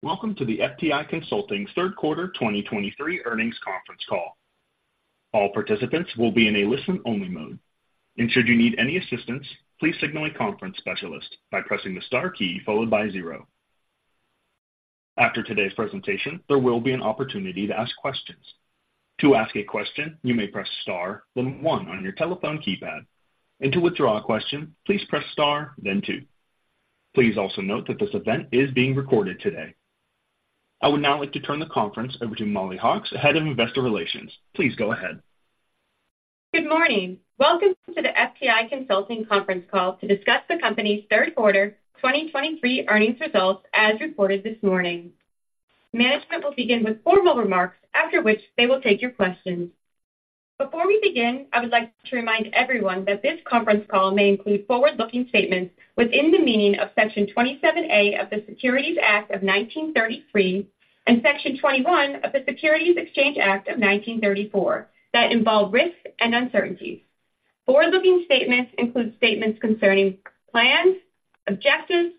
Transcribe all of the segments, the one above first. Welcome to the FTI Consulting Third Quarter 2023 Earnings Conference Call. All participants will be in a listen-only mode, and should you need any assistance, please signal a conference specialist by pressing the star key followed by 0. After today's presentation, there will be an opportunity to ask questions. To ask a question, you may press star, then 1 on your telephone keypad, and to withdraw a question, please press star then 2. Please also note that this event is being recorded today. I would now like to turn the conference over to Mollie Hawkes, Head of Investor Relations. Please go ahead. Good morning. Welcome to the FTI Consulting Conference Call to discuss the company's third quarter 2023 earnings results as reported this morning. Management will begin with formal remarks, after which they will take your questions. Before we begin, I would like to remind everyone that this conference call may include forward-looking statements within the meaning of Section 27A of the Securities Act of 1933 and Section 21 of the Securities Exchange Act of 1934, that involve risks and uncertainties. Forward-looking statements include statements concerning plans, objectives,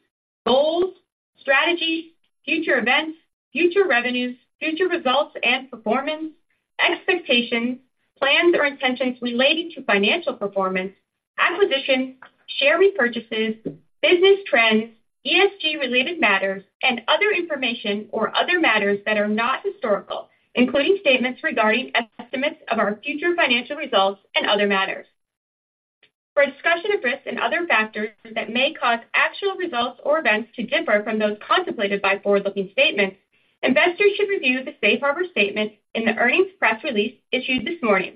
goals, strategies, future events, future revenues, future results and performance, expectations, plans or intentions relating to financial performance, acquisitions, share repurchases, business trends, ESG-related matters, and other information or other matters that are not historical, including statements regarding estimates of our future financial results and other matters. For a discussion of risks and other factors that may cause actual results or events to differ from those contemplated by forward-looking statements, investors should review the safe harbor statement in the earnings press release issued this morning,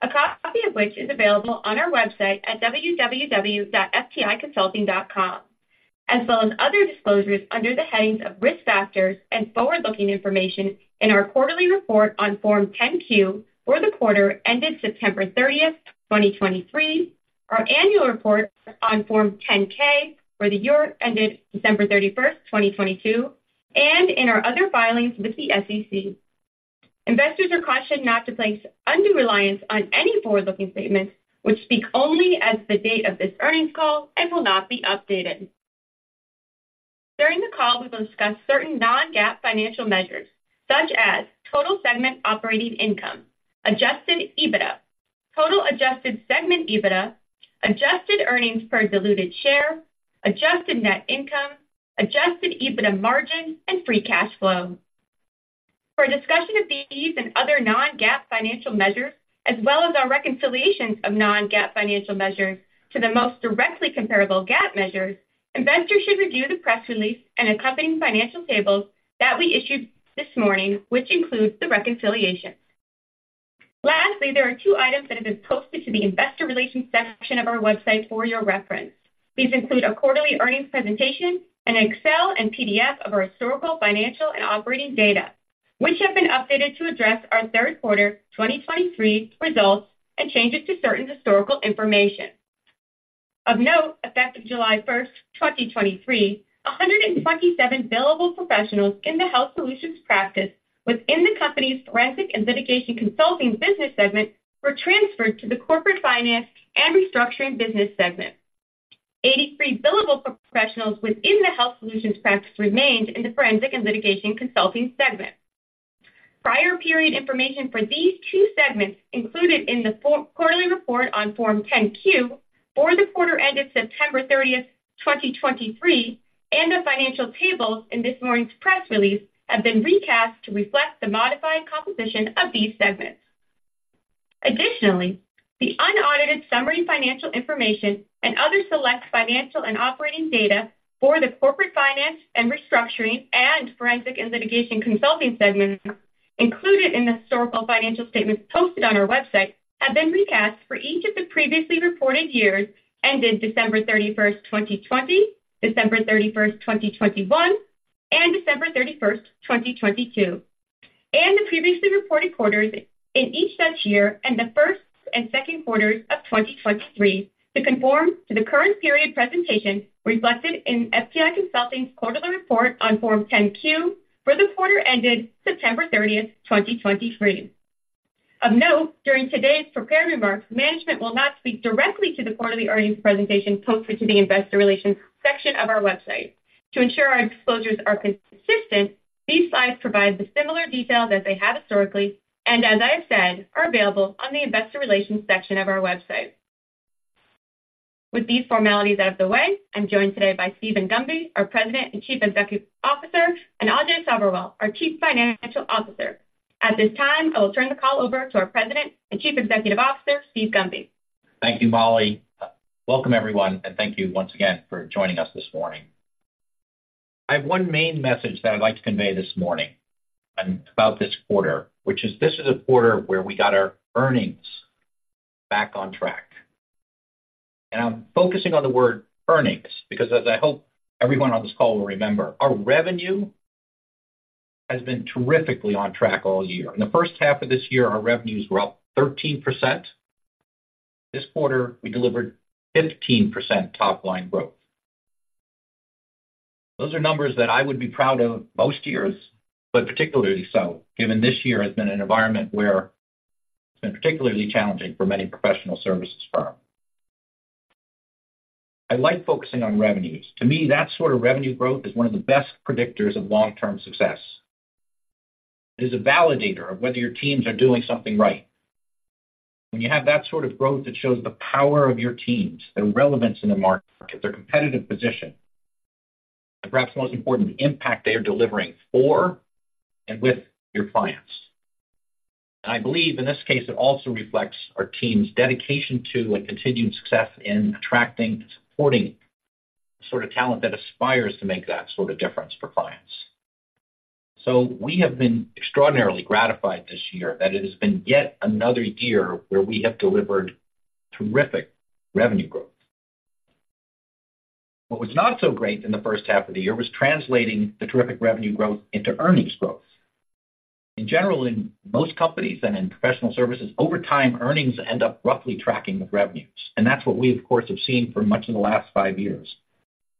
a copy of which is available on our website at www.fticonsulting.com, as well as other disclosures under the headings of Risk Factors and Forward-Looking Information in our quarterly report on Form 10-Q for the quarter ended September 30, 2023, our annual report on Form 10-K for the year ended December 31, 2022, and in our other filings with the SEC. Investors are cautioned not to place undue reliance on any forward-looking statements which speak only as the date of this earnings call and will not be updated. During the call, we will discuss certain non-GAAP financial measures such as total segment operating income, adjusted EBITDA, total adjusted segment EBITDA, adjusted earnings per diluted share, adjusted net income, adjusted EBITDA margin, and free cash flow. For a discussion of these and other non-GAAP financial measures, as well as our reconciliations of non-GAAP financial measures to the most directly comparable GAAP measures, investors should review the press release and accompanying financial tables that we issued this morning, which includes the reconciliation. Lastly, there are two items that have been posted to the Investor Relations section of our website for your reference. These include a quarterly earnings presentation and an Excel and PDF of our historical, financial, and operating data, which have been updated to address our third quarter 2023 results and changes to certain historical information. Of note, effective July first, 2023, 127 billable professionals in the Health Solutions practice within the company's Forensic and Litigation Consulting business segment were transferred to the Corporate Finance and Restructuring business segment. Eighty-three billable professionals within the Health Solutions practice remained in the Forensic and Litigation Consulting segment. Prior period information for these two segments, included in the quarterly report on Form 10-Q for the quarter ended September thirtieth, 2023, and the financial tables in this morning's press release have been recast to reflect the modified composition of these segments. Additionally, the unaudited summary financial information and other select financial and operating data for the Corporate Finance and Restructuring and Forensic and Litigation Consulting segments included in the historical financial statements posted on our website have been recast for each of the previously reported years ended December 31, 2020, December 31, 2021, and December 31, 2022. The previously reported quarters in each such year and the first and second quarters of 2023 to conform to the current period presentation reflected in FTI Consulting's quarterly report on Form 10-Q for the quarter ended September 30, 2023. Of note, during today's prepared remarks, management will not speak directly to the quarterly earnings presentation posted to the Investor Relations section of our website. To ensure our disclosures are consistent, these slides provide the similar details as they have historically, and as I have said, are available on the Investor Relations section of our website. With these formalities out of the way, I'm joined today by Steven Gunby, our President and Chief Executive Officer, and Ajay Sabherwal, our Chief Financial Officer. At this time, I will turn the call over to our President and Chief Executive Officer, Steve Gunby. Thank you, Mollie. Welcome, everyone, and thank you once again for joining us this morning. I have one main message that I'd like to convey this morning about this quarter, which is this is a quarter where we got our earnings back on track. I'm focusing on the word earnings because as I hope everyone on this call will remember, our revenue has been terrifically on track all year. In the first half of this year, our revenues were up 13%. This quarter, we delivered 15% top-line growth. Those are numbers that I would be proud of most years, but particularly so, given this year has been an environment where it's been particularly challenging for many professional services firms... I like focusing on revenues. To me, that sort of revenue growth is one of the best predictors of long-term success. It is a validator of whether your teams are doing something right. When you have that sort of growth, it shows the power of your teams, their relevance in the market, their competitive position, and perhaps most important, the impact they are delivering for and with your clients. I believe in this case, it also reflects our team's dedication to and continued success in attracting and supporting the sort of talent that aspires to make that sort of difference for clients. We have been extraordinarily gratified this year that it has been yet another year where we have delivered terrific revenue growth. What was not so great in the first half of the year was translating the terrific revenue growth into earnings growth. In general, in most companies and in professional services, over time, earnings end up roughly tracking with revenues, and that's what we, of course, have seen for much of the last five years.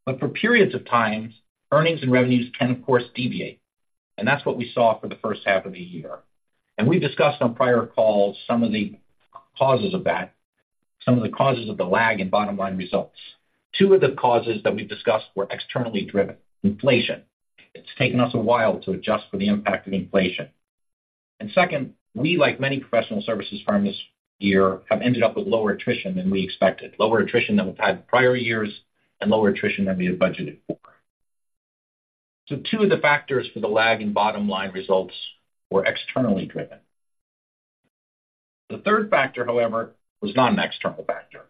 But for periods of times, earnings and revenues can, of course, deviate, and that's what we saw for the first half of the year. And we've discussed on prior calls some of the causes of that, some of the causes of the lag in bottom-line results. Two of the causes that we've discussed were externally driven. Inflation. It's taken us a while to adjust for the impact of inflation. And second, we, like many professional services firms this year, have ended up with lower attrition than we expected, lower attrition than we've had in prior years and lower attrition than we had budgeted for. So two of the factors for the lag in bottom-line results were externally driven. The third factor, however, was not an external factor.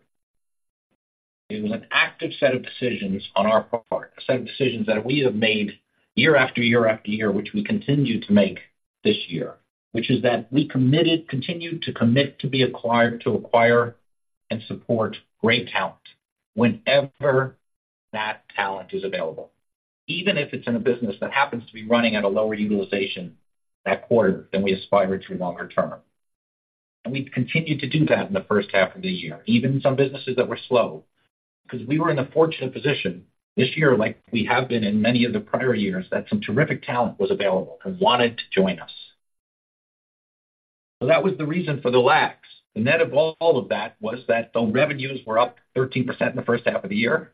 It was an active set of decisions on our part, a set of decisions that we have made year after year after year, which we continue to make this year, which is that we continue to commit to acquire and support great talent whenever that talent is available, even if it's in a business that happens to be running at a lower utilization that quarter than we aspire it to longer term. And we've continued to do that in the first half of the year, even in some businesses that were slow, because we were in a fortunate position this year, like we have been in many of the prior years, that some terrific talent was available and wanted to join us. That was the reason for the lags. The net of all of that was that the revenues were up 13% in the first half of the year.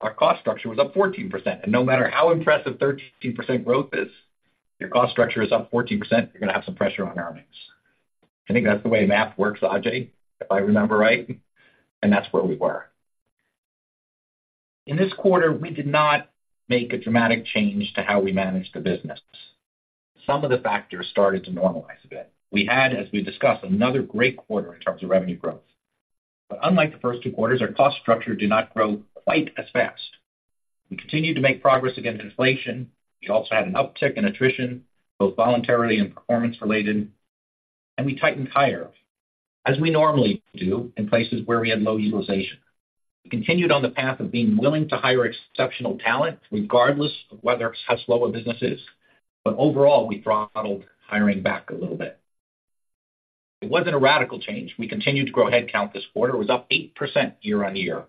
Our cost structure was up 14%, and no matter how impressive 13% growth is, your cost structure is up 14%, you're going to have some pressure on earnings. I think that's the way math works, Ajay, if I remember right, and that's where we were. In this quarter, we did not make a dramatic change to how we managed the business. Some of the factors started to normalize a bit. We had, as we discussed, another great quarter in terms of revenue growth. But unlike the first two quarters, our cost structure did not grow quite as fast. We continued to make progress against inflation. We also had an uptick in attrition, both voluntarily and performance-related, and we tightened hire, as we normally do in places where we had low utilization. We continued on the path of being willing to hire exceptional talent, regardless of whether it has slower businesses. But overall, we throttled hiring back a little bit. It wasn't a radical change. We continued to grow headcount this quarter. It was up 8% year-on-year.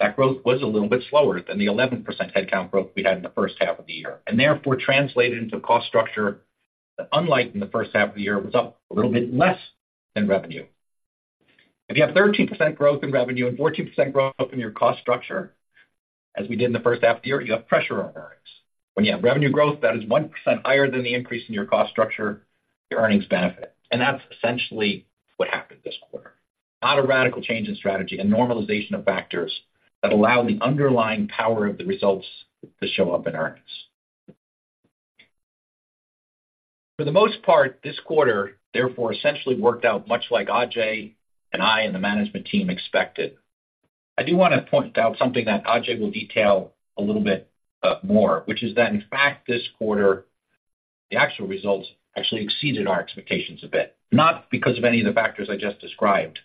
That growth was a little bit slower than the 11% headcount growth we had in the first half of the year, and therefore translated into a cost structure that, unlike in the first half of the year, was up a little bit less than revenue. If you have 13% growth in revenue and 14% growth in your cost structure, as we did in the first half of the year, you have pressure on earnings. When you have revenue growth that is 1% higher than the increase in your cost structure, your earnings benefit. And that's essentially what happened this quarter. Not a radical change in strategy, a normalization of factors that allow the underlying power of the results to show up in earnings. For the most part, this quarter, therefore, essentially worked out much like Ajay and I and the management team expected. I do want to point out something that Ajay will detail a little bit more, which is that, in fact, this quarter, the actual results actually exceeded our expectations a bit, not because of any of the factors I just described,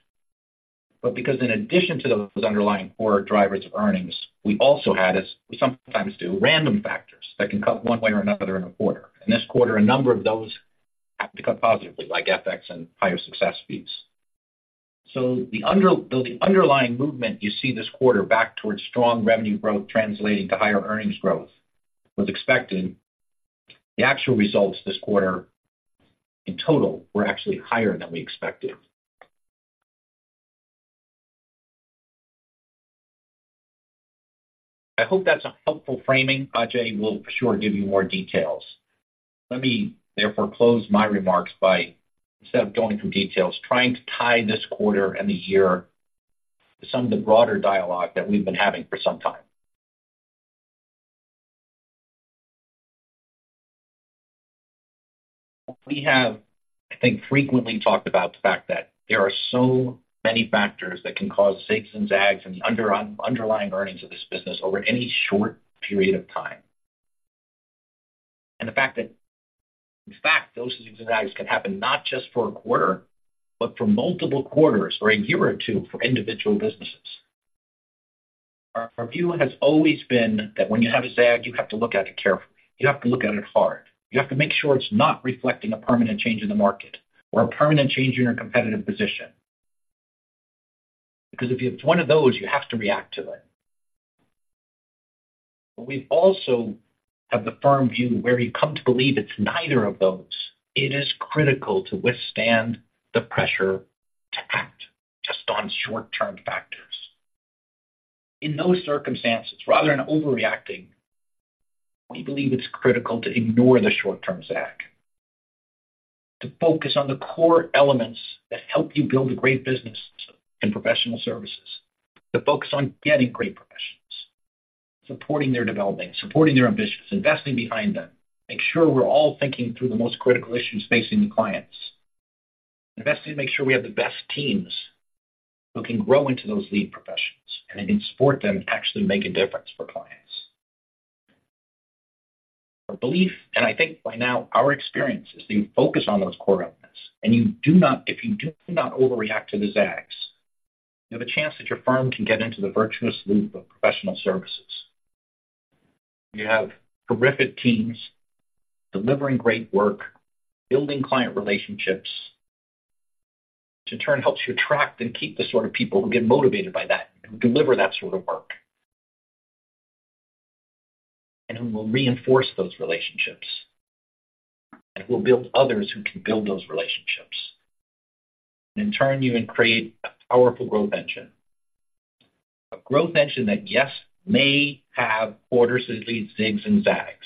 but because in addition to those underlying core drivers of earnings, we also had, as we sometimes do, random factors that can cut one way or another in a quarter. In this quarter, a number of those happened to cut positively, like FX and higher success fees. So the underlying movement you see this quarter back towards strong revenue growth translating to higher earnings growth was expected. The actual results this quarter, in total, were actually higher than we expected. I hope that's a helpful framing. Ajay will for sure give you more details. Let me, therefore, close my remarks by, instead of going through details, trying to tie this quarter and the year to some of the broader dialogue that we've been having for some time. We have, I think, frequently talked about the fact that there are so many factors that can cause zigs and zags in the underlying earnings of this business over any short period of time. The fact that, in fact, those zigs and zags can happen not just for a quarter, but for multiple quarters or a year or two for individual businesses. Our view has always been that when you have a zag, you have to look at it carefully. You have to look at it hard. You have to make sure it's not reflecting a permanent change in the market or a permanent change in your competitive position. Because if you have one of those, you have to react to it. We also have the firm view, where you come to believe it's neither of those. It is critical to withstand the pressure to act just on short-term factors. In those circumstances, rather than overreacting, we believe it's critical to ignore the short-term zag, to focus on the core elements that help you build a great business in professional services. To focus on getting great professionals, supporting their development, supporting their ambitions, investing behind them. Make sure we're all thinking through the most critical issues facing the clients. Investing to make sure we have the best teams who can grow into those lead professionals, and I can support them to actually make a difference for clients. Our belief, and I think by now, our experience, is that you focus on those core elements, and if you do not overreact to the zags, you have a chance that your firm can get into the virtuous loop of professional services. You have terrific teams delivering great work, building client relationships, which in turn helps you attract and keep the sort of people who get motivated by that, and who deliver that sort of work. And who will reinforce those relationships, and who will build others who can build those relationships. And in turn, you can create a powerful growth engine. A growth engine that, yes, may have quarters that lead zigs and zags.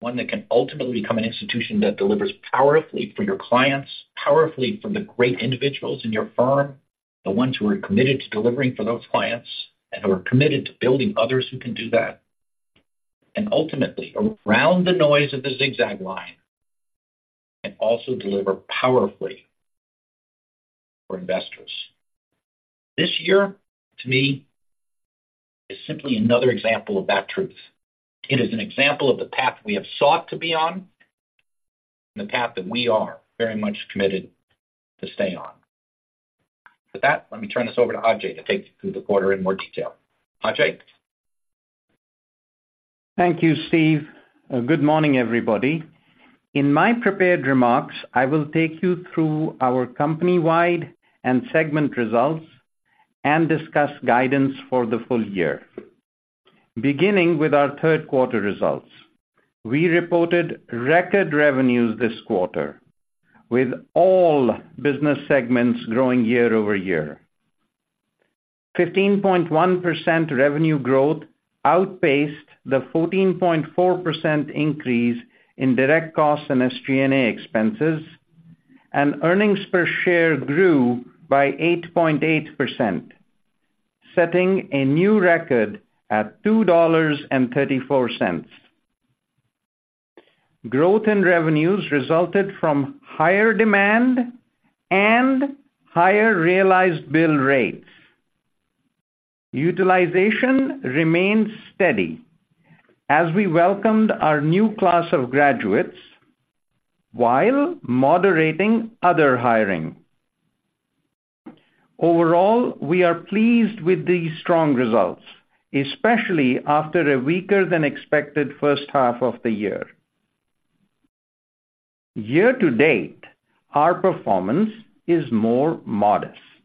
One that can ultimately become an institution that delivers powerfully for your clients, powerfully for the great individuals in your firm, the ones who are committed to delivering for those clients, and who are committed to building others who can do that. And ultimately, around the noise of the zigzag line, and also deliver powerfully for investors. This year, to me, is simply another example of that truth. It is an example of the path we have sought to be on, and the path that we are very much committed to stay on. With that, let me turn this over to Ajay to take you through the quarter in more detail. Ajay? Thank you, Steve. Good morning, everybody. In my prepared remarks, I will take you through our company-wide and segment results and discuss guidance for the full year. Beginning with our third quarter results, we reported record revenues this quarter, with all business segments growing year-over-year. 15.1% revenue growth outpaced the 14.4% increase in direct costs and SG&A expenses, and earnings per share grew by 8.8%, setting a new record at $2.34. Growth in revenues resulted from higher demand and higher realized bill rates. Utilization remained steady as we welcomed our new class of graduates while moderating other hiring. Overall, we are pleased with these strong results, especially after a weaker than expected first half of the year. Year-to-date, our performance is more modest.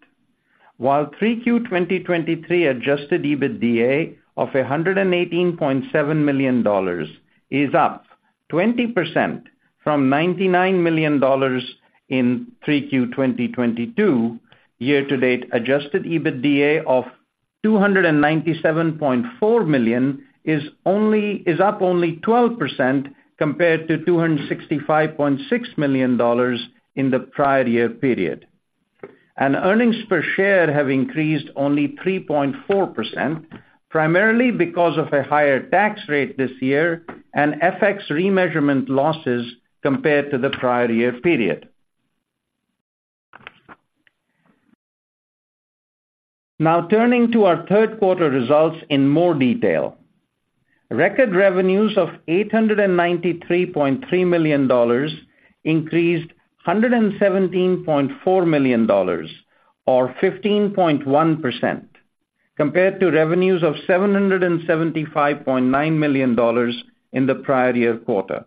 While 3Q 2023 adjusted EBITDA of $118.7 million is up 20% from $99 million in 3Q 2022, year to date adjusted EBITDA of $297.4 million is up only 12% compared to $265.6 million in the prior year period. Earnings per share have increased only 3.4%, primarily because of a higher tax rate this year and FX remeasurement losses compared to the prior year period. Now turning to our third quarter results in more detail. Record revenues of $893.3 million increased $117.4 million, or 15.1%, compared to revenues of $775.9 million in the prior year quarter.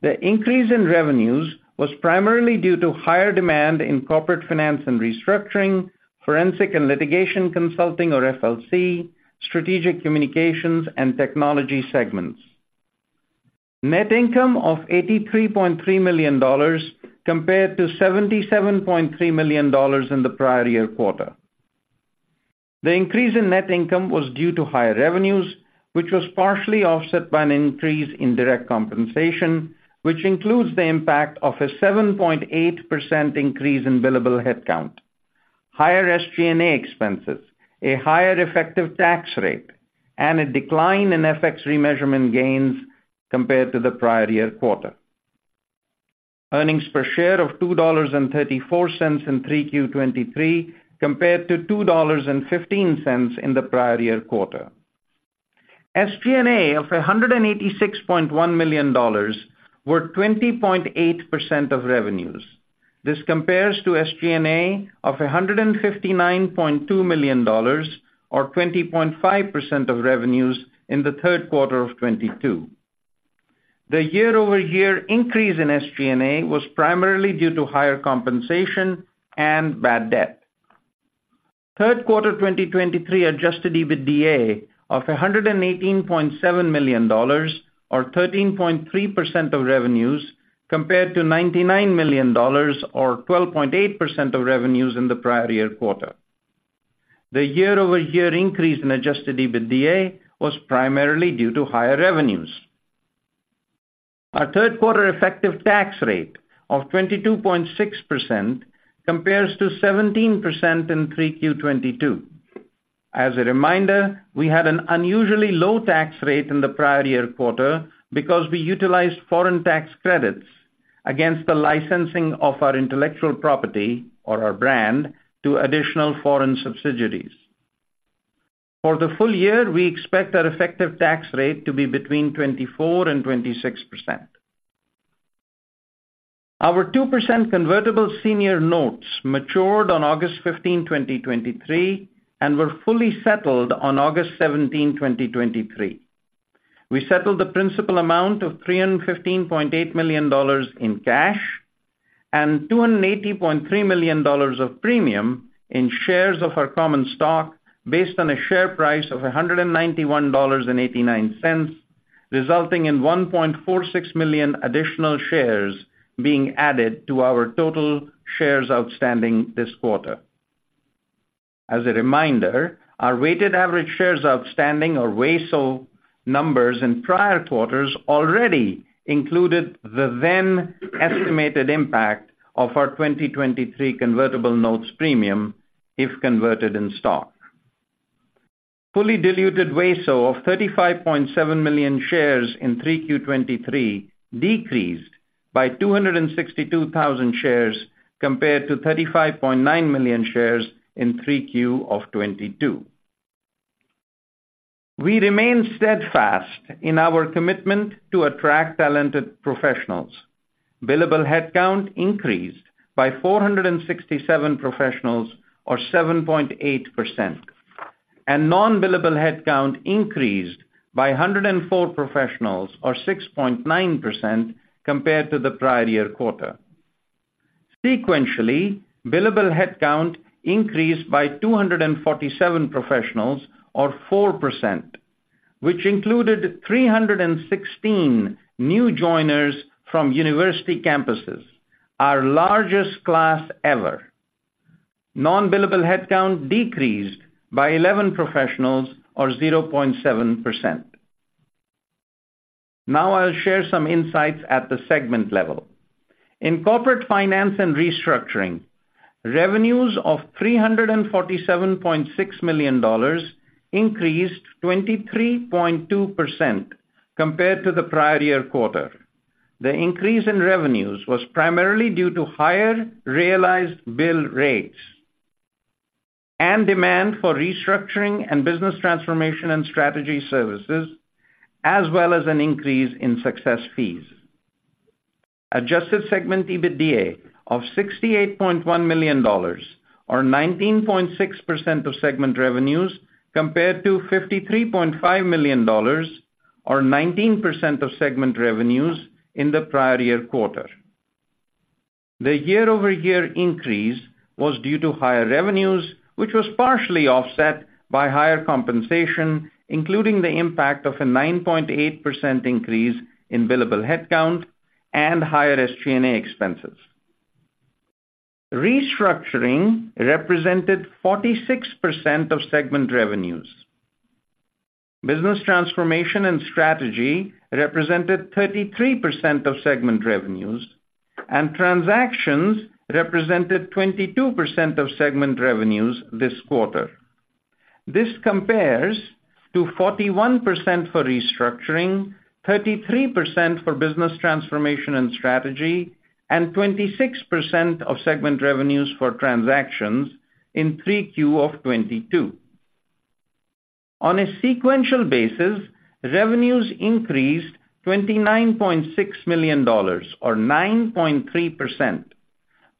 The increase in revenues was primarily due to higher demand in Corporate Finance and Restructuring, Forensic and Litigation Consulting or FLC, Strategic Communications, and Technology segments. Net income of $83.3 million compared to $77.3 million in the prior year quarter. The increase in net income was due to higher revenues, which was partially offset by an increase in direct compensation, which includes the impact of a 7.8% increase in billable headcount, higher SG&A expenses, a higher effective tax rate, and a decline in FX remeasurement gains compared to the prior year quarter. Earnings per share of $2.34 in 3Q 2023 compared to $2.15 in the prior year quarter. SG&A of $186.1 million were 20.8% of revenues. This compares to SG&A of $159.2 million or 20.5% of revenues in the third quarter of 2022. The year-over-year increase in SG&A was primarily due to higher compensation and bad debt. Third quarter 2023 adjusted EBITDA of $118.7 million, or 13.3% of revenues, compared to $99 million, or 12.8% of revenues in the prior year quarter. The year-over-year increase in adjusted EBITDA was primarily due to higher revenues. Our third quarter effective tax rate of 22.6% compares to 17% in 3Q 2022. As a reminder, we had an unusually low tax rate in the prior year quarter because we utilized foreign tax credits against the licensing of our intellectual property or our brand to additional foreign subsidiaries. For the full year, we expect our effective tax rate to be between 24%-26%. Our 2% convertible senior notes matured on August 15, 2023, and were fully settled on August 17, 2023. We settled the principal amount of $315.8 million in cash and $280.3 million of premium in shares of our common stock, based on a share price of $191.89, resulting in 1.46 million additional shares being added to our total shares outstanding this quarter. As a reminder, our weighted average shares outstanding, or WASO, numbers in prior quarters already included the then estimated impact of our 2023 convertible notes premium if converted in stock. Fully diluted WASO of 35.7 million shares in 3Q 2023 decreased by 262,000 shares compared to 35.9 million shares in 3Q 2022. We remain steadfast in our commitment to attract talented professionals. Billable headcount increased by 467 professionals or 7.8%, and non-billable headcount increased by 104 professionals or 6.9% compared to the prior year quarter. Sequentially, billable headcount increased by 247 professionals or 4%, which included 316 new joiners from university campuses, our largest class ever. Non-billable headcount decreased by 11 professionals or 0.7%. Now I'll share some insights at the segment level. In Corporate Finance and Restructuring, revenues of $347.6 million increased 23.2% compared to the prior year quarter. The increase in revenues was primarily due to higher realized bill rates and demand for restructuring and Business Transformation and Strategy services, as well as an increase in success fees. Adjusted segment EBITDA of $68.1 million, or 19.6% of segment revenues, compared to $53.5 million or 19% of segment revenues in the prior year quarter. The year-over-year increase was due to higher revenues, which was partially offset by higher compensation, including the impact of a 9.8% increase in billable headcount and higher SG&A expenses. Restructuring represented 46% of segment revenues. Business Transformation and Strategy represented 33% of segment revenues, and Transactions represented 22% of segment revenues this quarter. This compares to 41% for Restructuring, 33% for Business Transformation and Strategy, and 26% of segment revenues for Transactions in 3Q of 2022. On a sequential basis, revenues increased $29.6 million or 9.3%,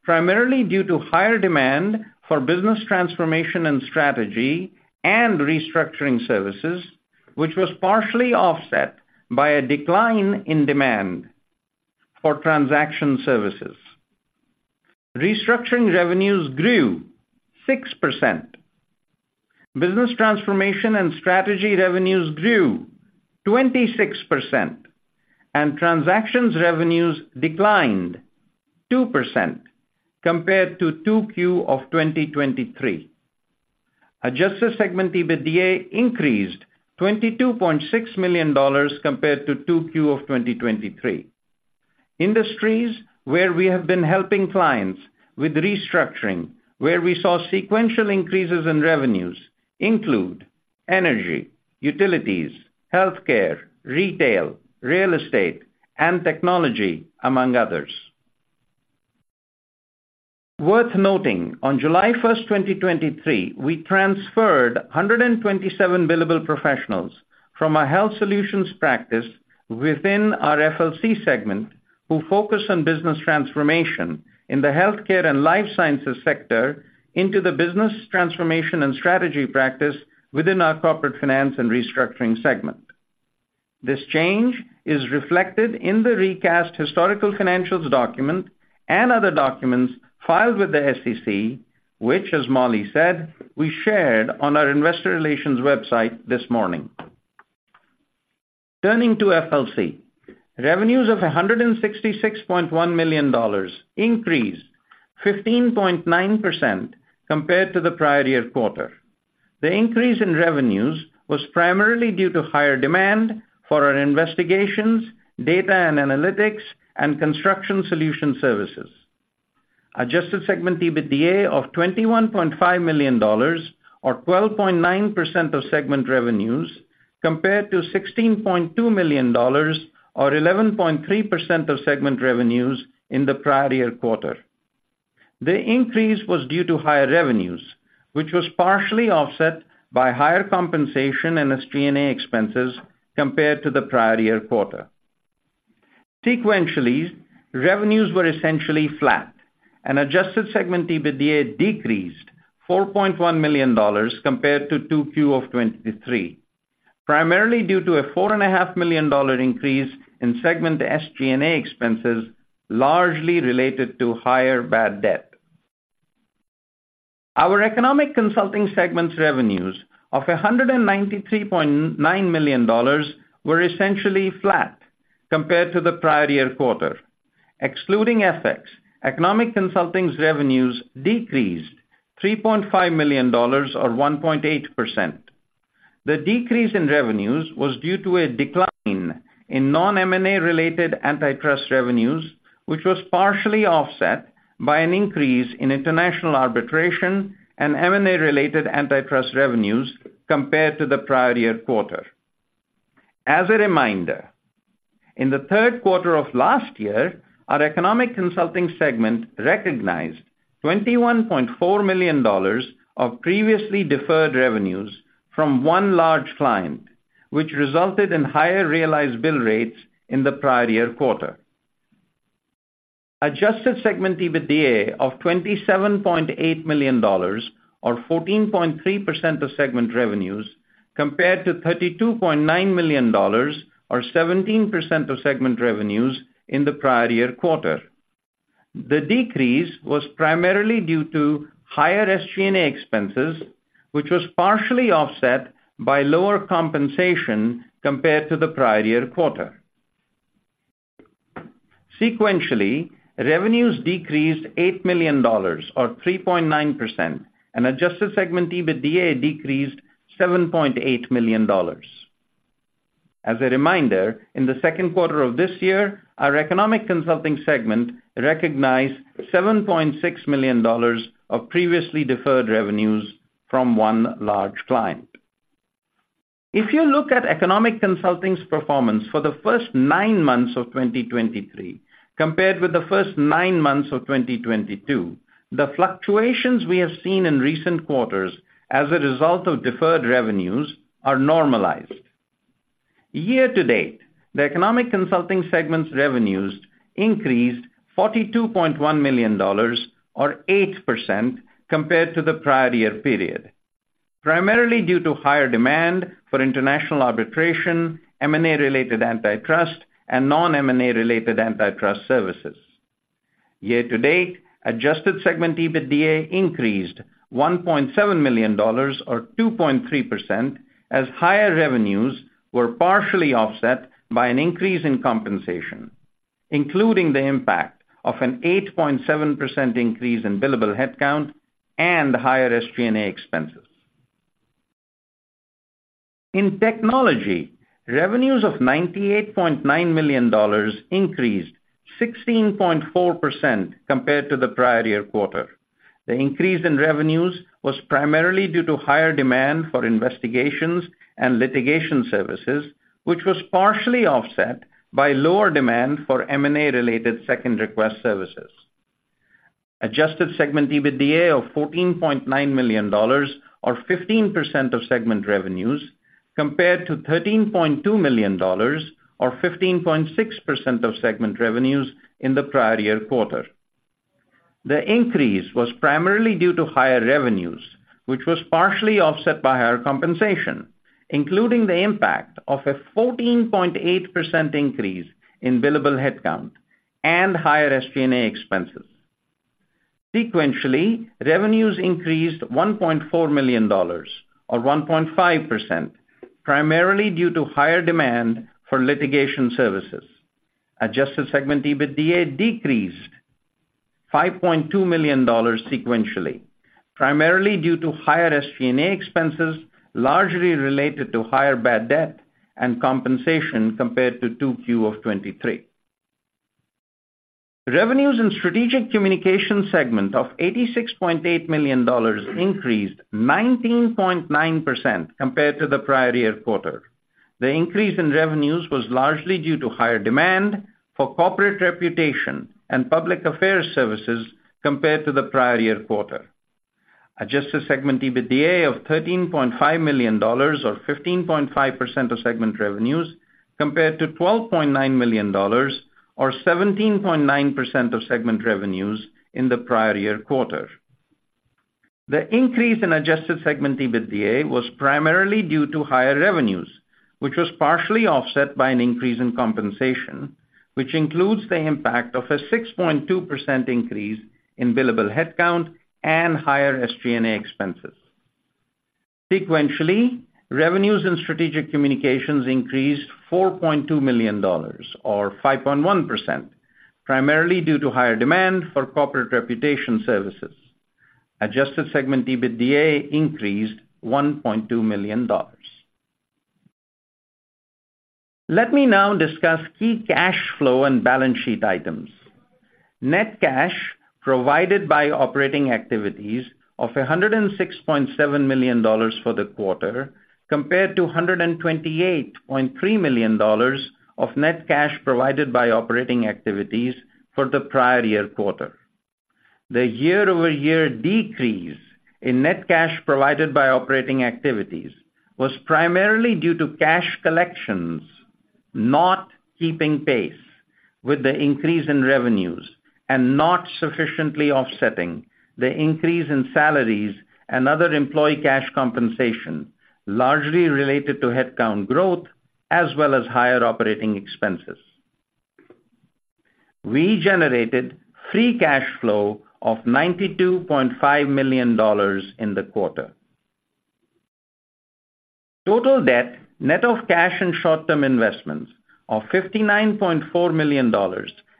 primarily due to higher demand for Business Transformation and Strategy and Restructuring services, which was partially offset by a decline in demand for Transaction services. Restructuring revenues grew 6%. Business Transformation and Strategy revenues grew 26%, and Transactions revenues declined 2% compared to 2Q of 2023. Adjusted Segment EBITDA increased $22.6 million compared to 2Q of 2023. Industries where we have been helping clients with restructuring, where we saw sequential increases in revenues include energy, utilities, healthcare, retail, real estate, and technology, among others. Worth noting, on July 1, 2023, we transferred 127 billable professionals from our Health Solutions practice within our FLC segment, who focus on business transformation in the healthcare and life sciences sector, into the Business Transformation and Strategy practice within our Corporate Finance and Restructuring segment. This change is reflected in the recast historical financials document and other documents filed with the SEC, which, as Mollie said, we shared on our Investor Relations website this morning. Turning to FLC, revenues of $166.1 million increased 15.9% compared to the prior-year quarter. The increase in revenues was primarily due to higher demand for our Investigations, Data & Analytics, and Construction Solutions services. Adjusted Segment EBITDA of $21.5 million, or 12.9% of segment revenues, compared to $16.2 million or 11.3% of segment revenues in the prior year quarter. The increase was due to higher revenues, which was partially offset by higher compensation and SG&A expenses compared to the prior year quarter. Sequentially, revenues were essentially flat, and adjusted Segment EBITDA decreased $4.1 million compared to 2Q of 2023, primarily due to a $4.5 million increase in segment SG&A expenses, largely related to higher bad debt. Our Economic Consulting segment's revenues of $193.9 million were essentially flat compared to the prior year quarter. Excluding FX, Economic Consulting's revenues decreased $3.5 million or 1.8%. The decrease in revenues was due to a decline in non-M&A-related antitrust revenues, which was partially offset by an increase in International Arbitration and M&A-related antitrust revenues compared to the prior year quarter. As a reminder, in the third quarter of last year, our Economic Consulting segment recognized $21.4 million of previously deferred revenues from one large client, which resulted in higher realized bill rates in the prior year quarter. Adjusted segment EBITDA of $27.8 million or 14.3% of segment revenues compared to $32.9 million or 17% of segment revenues in the prior year quarter. The decrease was primarily due to higher SG&A expenses, which was partially offset by lower compensation compared to the prior year quarter. Sequentially, revenues decreased $8 million or 3.9%, and adjusted segment EBITDA decreased $7.8 million. As a reminder, in the second quarter of this year, our Economic Consulting segment recognized $7.6 million of previously deferred revenues from one large client. If you look at Economic Consulting's performance for the first nine months of 2023 compared with the first nine months of 2022, the fluctuations we have seen in recent quarters as a result of deferred revenues are normalized. Year to date, the Economic Consulting segment's revenues increased $42.1 million or 8% compared to the prior year period, primarily due to higher demand for International Arbitration, M&A-related antitrust, and non-M&A-related antitrust services. Year to date, Adjusted segment EBITDA increased $1.7 million or 2.3%, as higher revenues were partially offset by an increase in compensation, including the impact of an 8.7% increase in billable headcount and higher SG&A expenses. In Technology, revenues of $98.9 million increased 16.4% compared to the prior year quarter. The increase in revenues was primarily due to higher demand for Investigations and Litigation services, which was partially offset by lower demand for M&A-related Second Request services. Adjusted segment EBITDA of $14.9 million or 15% of segment revenues, compared to $13.2 million or 15.6% of segment revenues in the prior year quarter. The increase was primarily due to higher revenues, which was partially offset by higher compensation, including the impact of a 14.8% increase in billable headcount and higher SG&A expenses. Sequentially, revenues increased $1.4 million or 1.5%, primarily due to higher demand for Litigation services. Adjusted segment EBITDA decreased $5.2 million sequentially, primarily due to higher SG&A expenses, largely related to higher bad debt and compensation compared to 2Q 2023. Revenues in Strategic Communications segment of $86.8 million increased 19.9% compared to the prior year quarter. The increase in revenues was largely due to higher demand for Corporate Reputation and Public Affairs services compared to the prior year quarter. Adjusted segment EBITDA of $13.5 million or 15.5% of segment revenues compared to $12.9 million or 17.9% of segment revenues in the prior year quarter. The increase in adjusted segment EBITDA was primarily due to higher revenues, which was partially offset by an increase in compensation, which includes the impact of a 6.2% increase in billable headcount and higher SG&A expenses. Sequentially, revenues in Strategic Communications increased $4.2 million or 5.1%, primarily due to higher demand for Corporate Reputation services. Adjusted segment EBITDA increased $1.2 million. Let me now discuss key cash flow and balance sheet items. Net cash provided by operating activities of $106.7 million for the quarter, compared to $128.3 million of net cash provided by operating activities for the prior year quarter. The year-over-year decrease in net cash provided by operating activities was primarily due to cash collections, not keeping pace with the increase in revenues and not sufficiently offsetting the increase in salaries and other employee cash compensation, largely related to headcount growth as well as higher operating expenses. We generated free cash flow of $92.5 million in the quarter. Total debt, net of cash and short-term investments of $59.4 million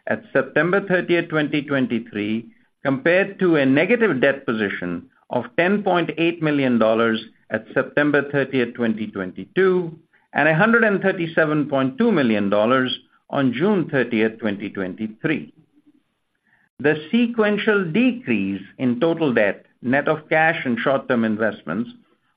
at September thirtieth, 2023, compared to a negative debt position of $10.8 million at September thirtieth, 2022, and $137.2 million on June thirtieth, 2023. The sequential decrease in total debt, net of cash and short-term investments,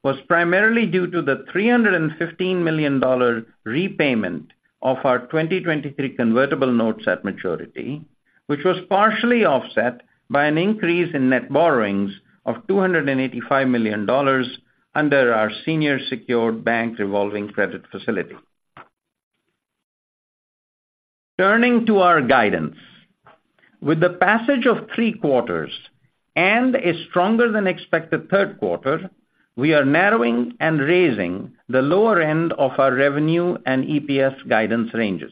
was primarily due to the $315 million dollar repayment of our 2023 convertible notes at maturity, which was partially offset by an increase in net borrowings of $285 million dollars under our senior secured bank revolving credit facility. Turning to our guidance. With the passage of three quarters and a stronger than expected third quarter, we are narrowing and raising the lower end of our revenue and EPS guidance ranges.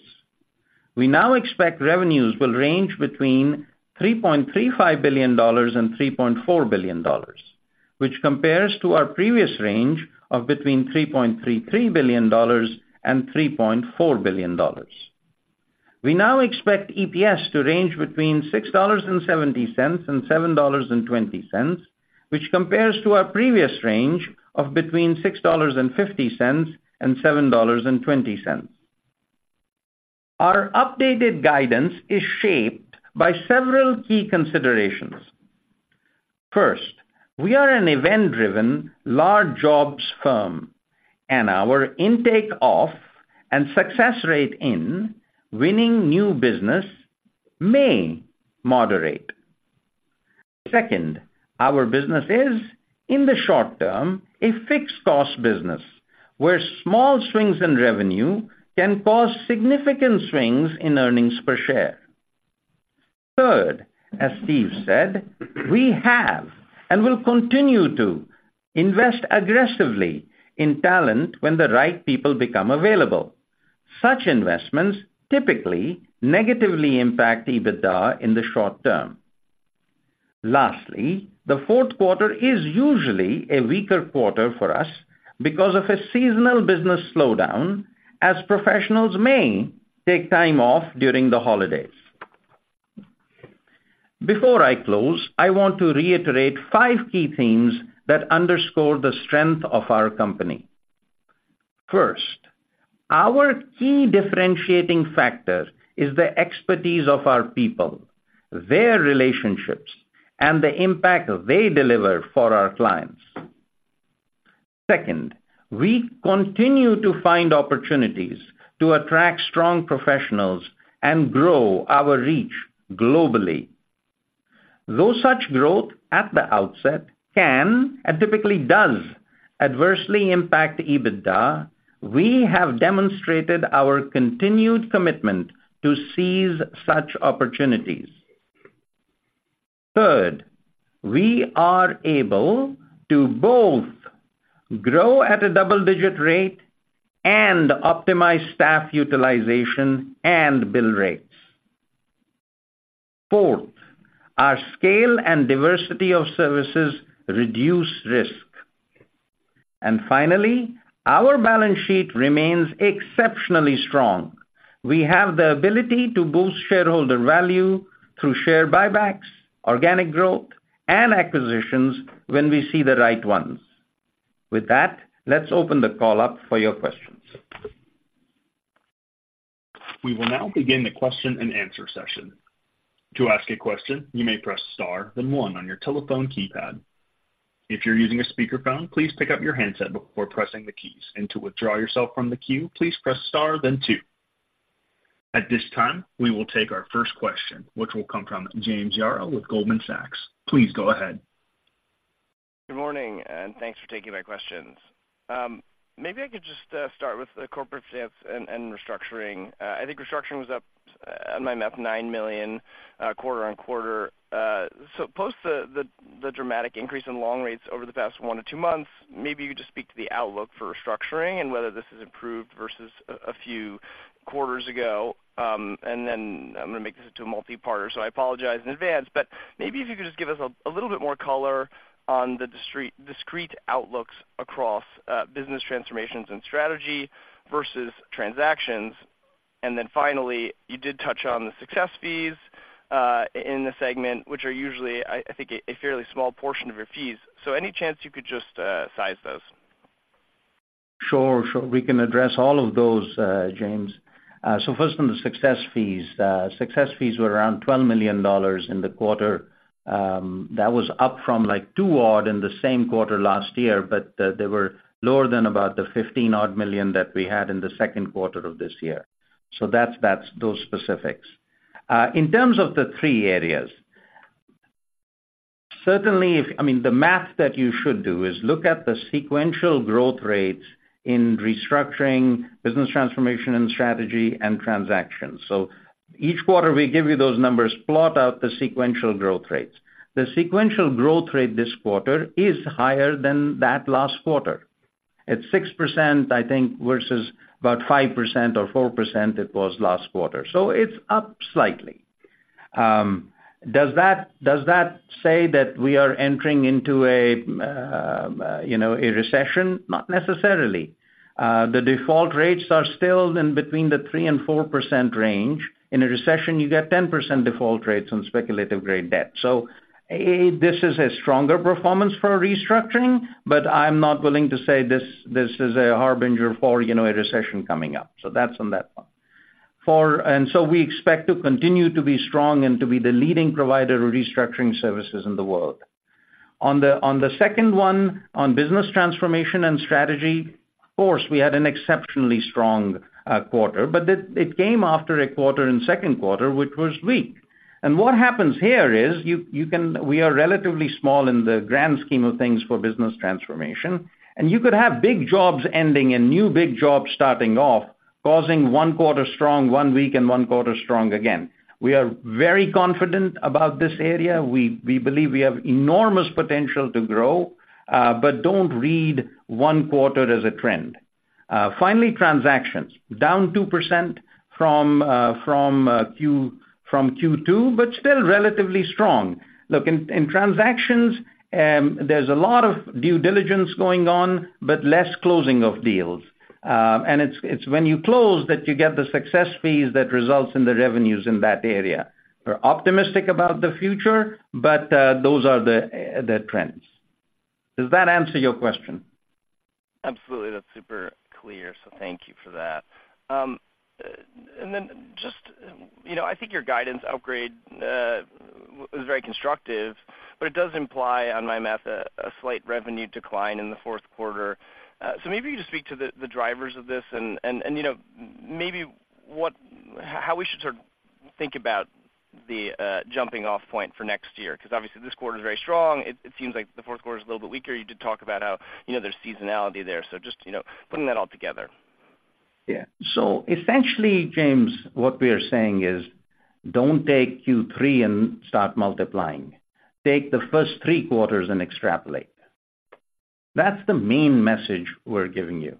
We now expect revenues will range between $3.35 billion and $3.4 billion, which compares to our previous range of between $3.33 billion and $3.4 billion. We now expect EPS to range between $6.70 and $7.20, which compares to our previous range of between $6.50 and $7.20. Our updated guidance is shaped by several key considerations. First, we are an event-driven, large jobs firm, and our intake of and success rate in winning new business may moderate. Second, our business is, in the short term, a fixed cost business, where small swings in revenue can cause significant swings in earnings per share. Third, as Steve said, we have and will continue to invest aggressively in talent when the right people become available. Such investments typically negatively impact EBITDA in the short term. Lastly, the fourth quarter is usually a weaker quarter for us because of a seasonal business slowdown, as professionals may take time off during the holidays. Before I close, I want to reiterate five key themes that underscore the strength of our company. First, our key differentiating factor is the expertise of our people, their relationships, and the impact they deliver for our clients. Second, we continue to find opportunities to attract strong professionals and grow our reach globally. Though such growth at the outset can and typically does adversely impact EBITDA, we have demonstrated our continued commitment to seize such opportunities. Third, we are able to both grow at a double-digit rate and optimize staff utilization and bill rates. Fourth, our scale and diversity of services reduce risk. And finally, our balance sheet remains exceptionally strong. We have the ability to boost shareholder value through share buybacks, organic growth, and acquisitions when we see the right ones. With that, let's open the call up for your questions. We will now begin the question and answer session. To ask a question, you may press star, then one on your telephone keypad. If you're using a speakerphone, please pick up your handset before pressing the keys, and to withdraw yourself from the queue, please press star, then 2. At this time, we will take our first question, which will come from James Yaro with Goldman Sachs. Please go ahead. Good morning, and thanks for taking my questions. Maybe I could just start with the Corporate Finance and Restructuring. I think restructuring was up, in my math, $9 million, quarter-on-quarter. So post the dramatic increase in loan rates over the past 1-2 months, maybe you could just speak to the outlook for restructuring and whether this has improved versus a few quarters ago. And then I'm gonna make this into a multi-parter, so I apologize in advance. But maybe if you could just give us a little bit more color on the discrete outlooks across Business Transformation and Strategy versus Transactions. And then finally, you did touch on the success fees in the segment, which are usually, I think, a fairly small portion of your fees. Any chance you could just size those? Sure, sure. We can address all of those, James. First on the success fees. Success fees were around $12 million in the quarter. That was up from, like, $2 million in the same quarter last year, but they were lower than about the $15 million that we had in the second quarter of this year. That's those specifics. In terms of the three areas, certainly if... I mean, the math that you should do is look at the sequential growth rates in restructuring, Business Transformation and Strategy, and Transactions. Each quarter we give you those numbers, plot out the sequential growth rates. The sequential growth rate this quarter is higher than that last quarter. It's 6%, I think, versus about 5% or 4% it was last quarter. It's up slightly. Does that, does that say that we are entering into a, you know, a recession? Not necessarily. The default rates are still in between the 3%-4% range. In a recession, you get 10% default rates on speculative-grade debt. So this is a stronger performance for restructuring, but I'm not willing to say this, this is a harbinger for, you know, a recession coming up. So that's on that one. So we expect to continue to be strong and to be the leading provider of restructuring services in the world. On the, on the second one, on Business Transformation and Strategy, of course, we had an exceptionally strong quarter, but it, it came after a quarter and second quarter, which was weak. What happens here is we are relatively small in the grand scheme of things for business transformation, and you could have big jobs ending and new big jobs starting off, causing one quarter strong, one weak, and one quarter strong again. We are very confident about this area. We believe we have enormous potential to grow, but don't read one quarter as a trend. Finally, Transactions, down 2% from Q2, but still relatively strong. Look, in Transactions, there's a lot of due diligence going on, but less closing of deals. And it's when you close that you get the success fees that results in the revenues in that area. We're optimistic about the future, but those are the trends. Does that answer your question? Absolutely. That's super clear, so thank you for that. And then just, you know, I think your guidance upgrade was very constructive, but it does imply, on my math, a slight revenue decline in the fourth quarter. So maybe you just speak to the drivers of this and, you know, maybe how we should sort of think about the jumping off point for next year. Because obviously, this quarter is very strong. It seems like the fourth quarter is a little bit weaker. You did talk about how, you know, there's seasonality there. So just, you know, putting that all together. Yeah. So essentially, James, what we are saying is, don't take Q3 and start multiplying. Take the first three quarters and extrapolate. That's the main message we're giving you.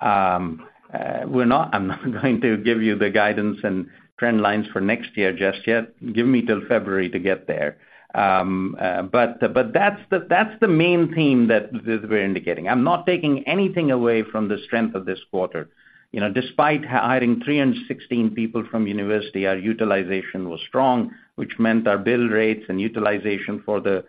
We're not-- I'm not going to give you the guidance and trend lines for next year just yet. Give me till February to get there. But that's the main theme that we're indicating. I'm not taking anything away from the strength of this quarter. You know, despite hiring 316 people from university, our utilization was strong, which meant our bill rates and utilization for the,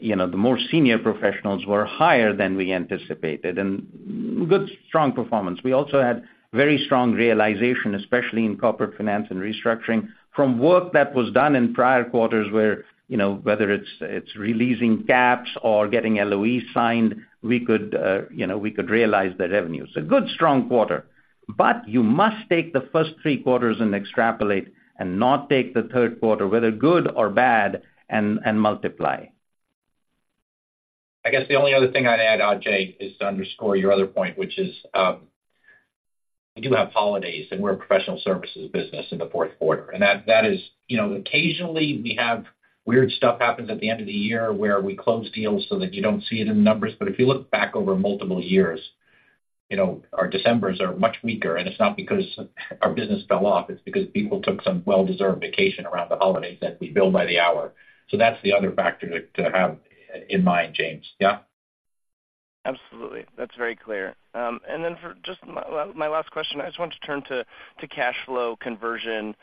you know, the more senior professionals were higher than we anticipated, and good, strong performance. We also had very strong realization, especially in Corporate Finance and Restructuring, from work that was done in prior quarters where, you know, whether it's, it's releasing caps or getting LOE signed, we could, you know, we could realize the revenues. A good, strong quarter. But you must take the first three quarters and extrapolate and not take the third quarter, whether good or bad, and, and multiply. I guess the only other thing I'd add, Ajay, is to underscore your other point, which is, we do have holidays, and we're a professional services business in the fourth quarter. And that is... You know, occasionally, we have weird stuff happens at the end of the year where we close deals so that you don't see it in the numbers. But if you look back over multiple years, you know, our Decembers are much weaker, and it's not because our business fell off. It's because people took some well-deserved vacation around the holidays that we bill by the hour. So that's the other factor to have in mind, James. Yeah? Absolutely. That's very clear. And then for just my last question, I just want to turn to cash flow conversion.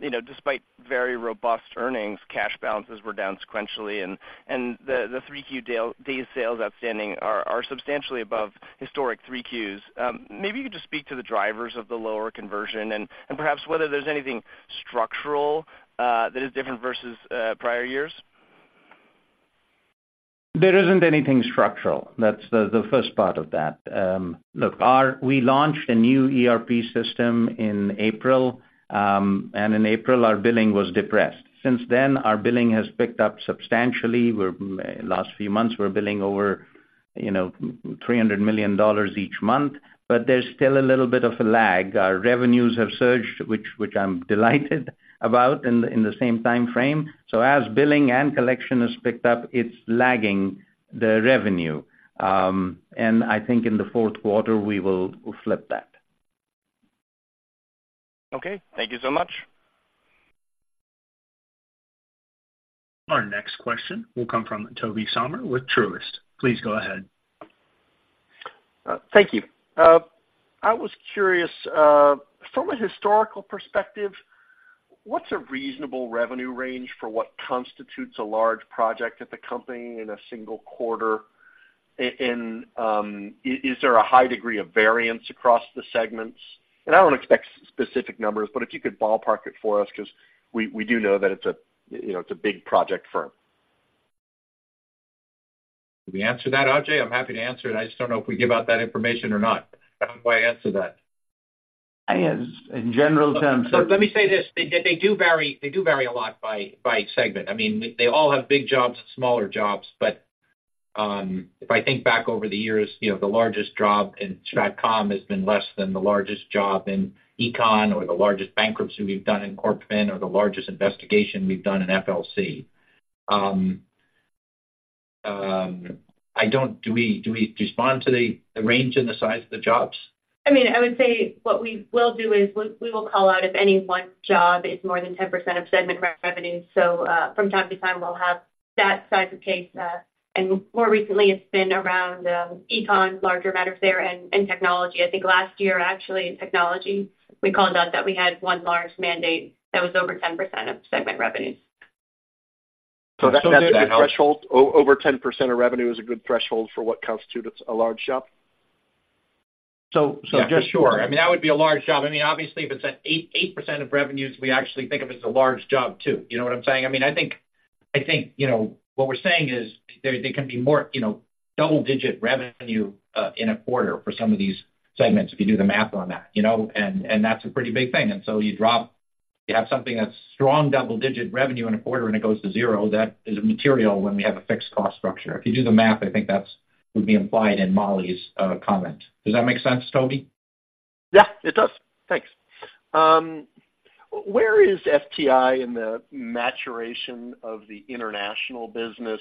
You know, despite very robust earnings, cash balances were down sequentially, and the three Q days sales outstanding are substantially above historic three Qs. Maybe you could just speak to the drivers of the lower conversion and perhaps whether there's anything structural that is different versus prior years? There isn't anything structural. That's the first part of that. Look, our, we launched a new ERP system in April, and in April, our billing was depressed. Since then, our billing has picked up substantially. We're last few months, we're billing over, you know, $300 million each month, but there's still a little bit of a lag. Our revenues have surged, which I'm delighted about in the same time frame. So as billing and collection has picked up, it's lagging the revenue. And I think in the fourth quarter, we will flip that. Okay, thank you so much. Our next question will come from Tobey Sommer with Truist. Please go ahead. Thank you. I was curious, from a historical perspective, what's a reasonable revenue range for what constitutes a large project at the company in a single quarter? And, is there a high degree of variance across the segments? And I don't expect specific numbers, but if you could ballpark it for us, 'cause we do know that it's a, you know, it's a big project firm. Can we answer that, Ajay? I'm happy to answer it. I just don't know if we give out that information or not. How do I answer that? I guess in general terms- Let me say this: they, they do vary, they do vary a lot by, by segment. I mean, they all have big jobs and smaller jobs, but, if I think back over the years, you know, the largest job in Strat Comm has been less than the largest job in Econ or the largest bankruptcy we've done in Corp Fin or the largest investigation we've done in FLC. I don't... Do we, do we respond to the, the range and the size of the jobs? I mean, I would say what we will do is we will call out if any one job is more than 10% of segment revenue. So, from time to time, we'll have that size of case. And more recently, it's been around Econ, larger matters there and technology. I think last year, actually, in technology, we called out that we had one large mandate that was over 10% of segment revenues. So that's- So the threshold, over 10% of revenue is a good threshold for what constitutes a large job? Just sure. I mean, that would be a large job. I mean, obviously, if it's at 8%, we actually think of it as a large job, too. You know what I'm saying? I mean, I think, I think, you know, what we're saying is there can be more, you know, double-digit revenue in a quarter for some of these segments, if you do the math on that, you know, and that's a pretty big thing. You have something that's strong double-digit revenue in a quarter, and it goes to zero, that is material when we have a fixed cost structure. If you do the math, I think that would be implied in Mollie's comment. Does that make sense, Tobey? Yeah, it does. Thanks. Where is FTI in the maturation of the international business,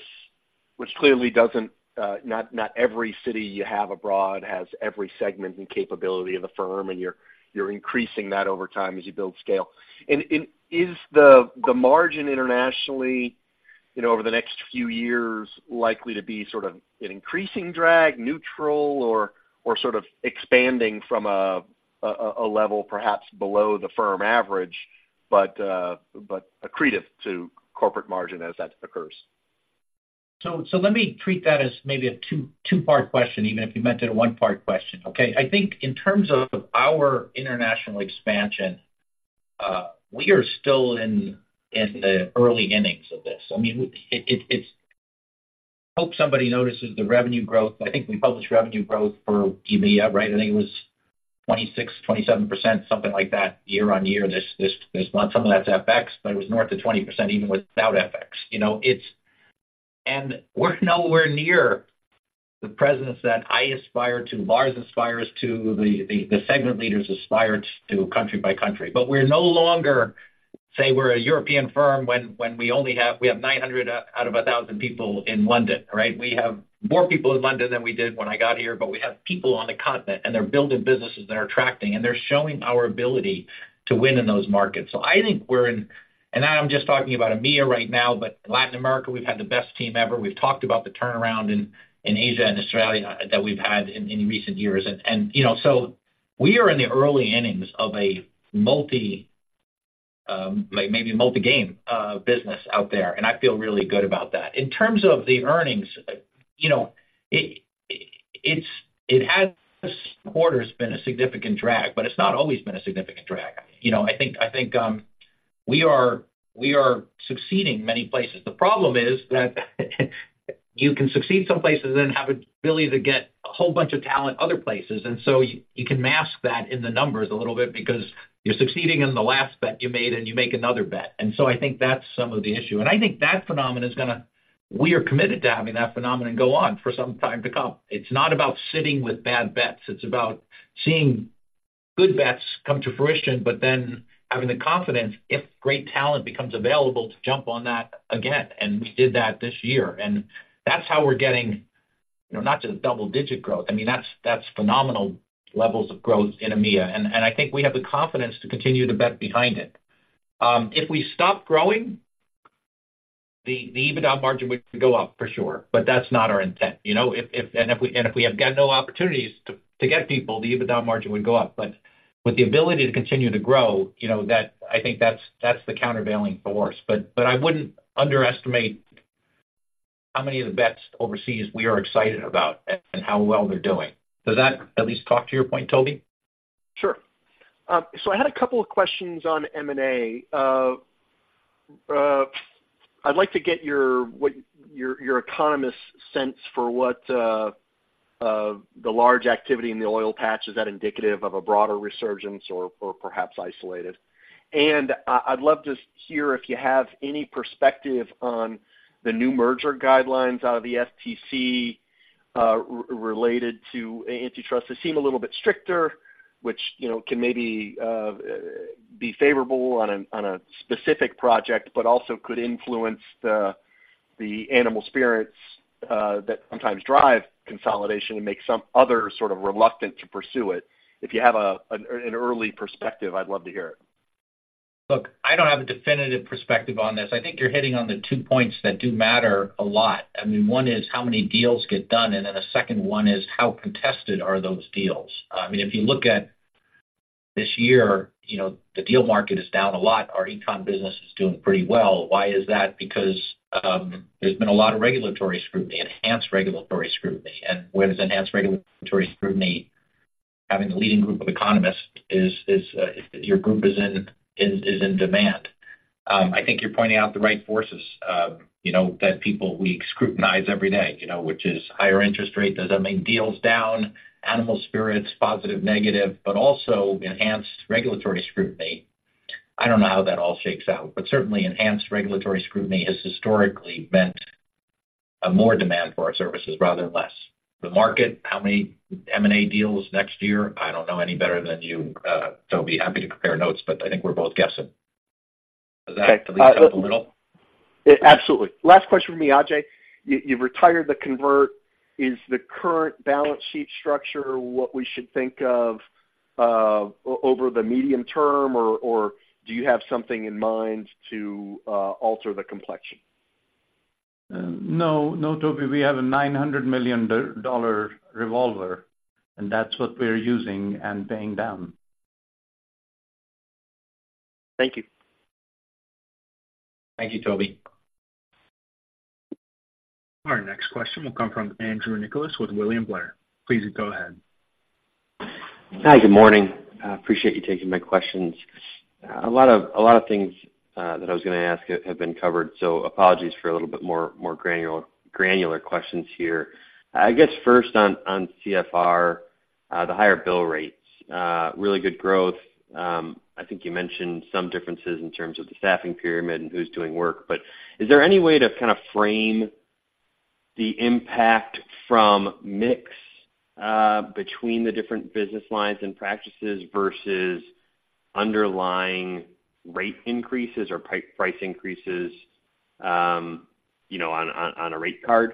which clearly doesn't, not every city you have abroad has every segment and capability of the firm, and you're increasing that over time as you build scale. And is the margin internationally, you know, over the next few years, likely to be sort of an increasing drag, neutral, or sort of expanding from a level perhaps below the firm average, but accretive to corporate margin as that occurs? So let me treat that as maybe a two-part question, even if you meant it as a one-part question, okay? I think in terms of our international expansion, we are still in the early innings of this. I mean, it's—I hope somebody notices the revenue growth. I think we published revenue growth for EMEA, right? I think it was 26%-27%, something like that, year-over-year. This, there's not some of that's FX, but it was north of 20%, even without FX. You know, it's—and we're nowhere near the presence that I aspire to, Lars aspires to, the segment leaders aspire to country by country. But we're no longer, say, we're a European firm when we only have—we have 900 out of 1,000 people in London, right? We have more people in London than we did when I got here, but we have people on the continent, and they're building businesses, and they're attracting, and they're showing our ability to win in those markets. So I think we're in. And I'm just talking about EMEA right now, but Latin America, we've had the best team ever. We've talked about the turnaround in Asia and Australia that we've had in recent years. And, you know, so we are in the early innings of a multi, like maybe multi-game, business out there, and I feel really good about that. In terms of the earnings, you know, it's, it has this quarter's been a significant drag, but it's not always been a significant drag. You know, I think we are succeeding many places. The problem is that you can succeed some places and have ability to get a whole bunch of talent other places. And so you, you can mask that in the numbers a little bit because you're succeeding in the last bet you made, and you make another bet. And so I think that's some of the issue. And I think that phenomenon is gonna—we are committed to having that phenomenon go on for some time to come. It's not about sitting with bad bets. It's about seeing good bets come to fruition, but then having the confidence, if great talent becomes available, to jump on that again, and we did that this year. And that's how we're getting, you know, not just double-digit growth. I mean, that's, that's phenomenal levels of growth in EMEA, and, and I think we have the confidence to continue to bet behind it. If we stop growing, the EBITDA margin would go up for sure, but that's not our intent. You know, if we have got no opportunities to get people, the EBITDA margin would go up. But with the ability to continue to grow, you know, I think that's the countervailing force. But I wouldn't underestimate how many of the bets overseas we are excited about and how well they're doing. Does that at least talk to your point, Tobey? Sure. So, I had a couple of questions on M&A. I'd like to get your—what your economic sense for what the large activity in the oil patch is that indicative of a broader resurgence or perhaps isolated? And I'd love to hear if you have any perspective on the new merger guidelines out of the FTC related to antitrust. They seem a little bit stricter, which, you know, can maybe be favorable on a specific project, but also could influence the animal spirits that sometimes drive consolidation and make some others sort of reluctant to pursue it. If you have an early perspective, I'd love to hear it. Look, I don't have a definitive perspective on this. I think you're hitting on the two points that do matter a lot. I mean, one is how many deals get done, and then the second one is how contested are those deals? I mean, if you look at this year, you know, the deal market is down a lot. Our Econ business is doing pretty well. Why is that? Because there's been a lot of regulatory scrutiny, enhanced regulatory scrutiny. And where there's enhanced regulatory scrutiny, having a leading group of economists is in demand. I think you're pointing out the right forces, you know, that people... We scrutinize every day, you know, which is higher interest rate. Does that mean deals down? Animal spirits, positive, negative, but also enhanced regulatory scrutiny. I don't know how that all shakes out, but certainly enhanced regulatory scrutiny has historically meant a more demand for our services rather than less. The market, how many M&A deals next year? I don't know any better than you, so I'll be happy to prepare notes, but I think we're both guessing. Does that at least help a little? Absolutely. Last question for me, Ajay. You retired the convert. Is the current balance sheet structure what we should think of over the medium term, or do you have something in mind to alter the complexion? No, Tobey, we have a $900 million revolver, and that's what we're using and paying down. Thank you. Thank you, Tobey. Our next question will come from Andrew Nicholas with William Blair. Please go ahead. Hi, good morning. I appreciate you taking my questions. A lot of, a lot of things, that I was gonna ask have been covered, so apologies for a little bit more, more granular, granular questions here. I guess, first on, on CFR, the higher bill rates, really good growth. I think you mentioned some differences in terms of the staffing pyramid and who's doing work, but is there any way to kind of frame the impact from mix, between the different business lines and practices versus underlying rate increases or price increases, you know, on, on, on a rate card?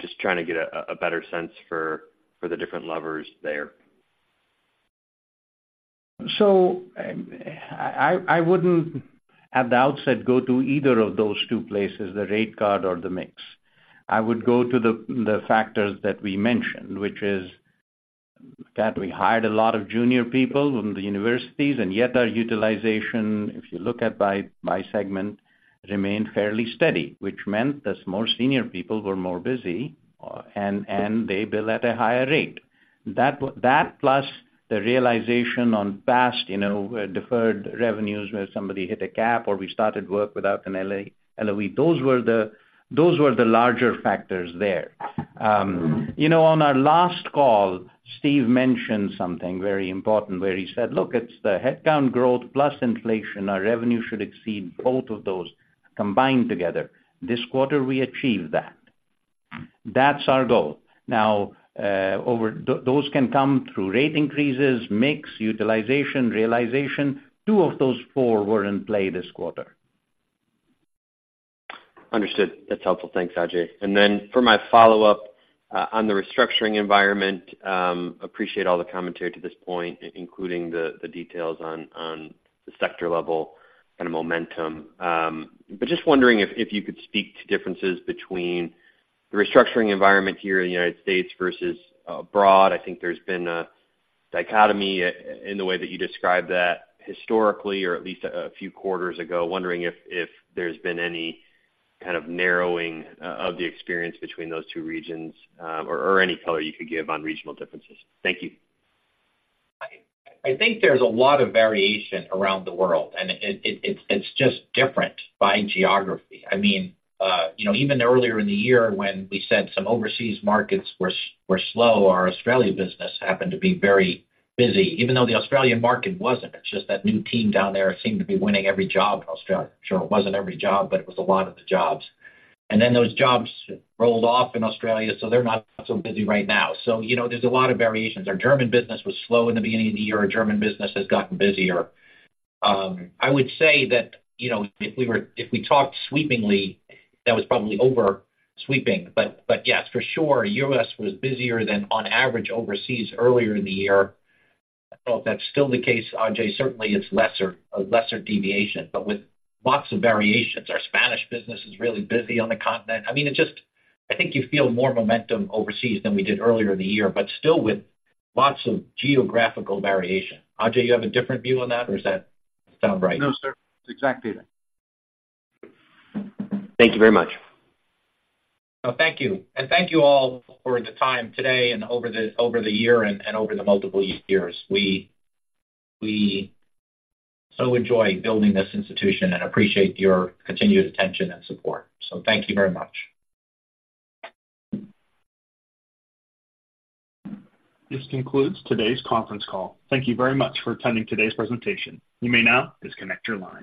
Just trying to get a, a better sense for, for the different levers there. So, I wouldn't, at the outset, go to either of those two places, the rate card or the mix. I would go to the factors that we mentioned, which is that we hired a lot of junior people from the universities, and yet our utilization, if you look at by segment, remained fairly steady, which meant that more senior people were more busy, and they bill at a higher rate. That plus the realization on past, you know, deferred revenues, where somebody hit a cap or we started work without an LOE. Those were the larger factors there. You know, on our last call, Steve mentioned something very important, where he said: "Look, it's the headcount growth plus inflation. Our revenue should exceed both of those combined together." This quarter, we achieved that. That's our goal. Now, those can come through rate increases, mix, utilization, realization. Two of those four were in play this quarter. Understood. That's helpful. Thanks, Ajay. And then for my follow-up, on the restructuring environment, appreciate all the commentary to this point, including the, the details on, on the sector level and the momentum. But just wondering if, if you could speak to differences between the restructuring environment here in the United States versus, abroad. I think there's been a dichotomy in the way that you described that historically, or at least a, a few quarters ago. Wondering if, if there's been any kind of narrowing of the experience between those two regions, or, or any color you could give on regional differences. Thank you. I think there's a lot of variation around the world, and it's just different by geography. I mean, you know, even earlier in the year when we said some overseas markets were slow, our Australia business happened to be very busy, even though the Australian market wasn't. It's just that new team down there seemed to be winning every job in Australia. Sure, it wasn't every job, but it was a lot of the jobs. And then those jobs rolled off in Australia, so they're not so busy right now. So, you know, there's a lot of variations. Our German business was slow in the beginning of the year, our German business has gotten busier. I would say that, you know, if we talked sweepingly, that was probably over sweeping. But yes, for sure, the U.S. was busier than on average overseas earlier in the year. I don't know if that's still the case, Ajay. Certainly, it's lesser, a lesser deviation, but with lots of variations. Our Spanish business is really busy on the continent. I mean, it just... I think you feel more momentum overseas than we did earlier in the year, but still with lots of geographical variation. Ajay, you have a different view on that, or does that sound right? No, sir, it's exactly that. Thank you very much. Well, thank you. Thank you all for the time today and over the year, and over the multiple years. We so enjoy building this institution and appreciate your continued attention and support. Thank you very much. This concludes today's conference call. Thank you very much for attending today's presentation. You may now disconnect your line.